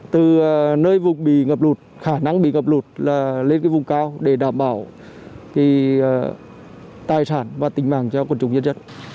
từ nơi vùng bị ngập lụt khả năng bị ngập lụt lên vùng cao để đảm bảo tài sản và tính mạng cho côn trùng nhân dân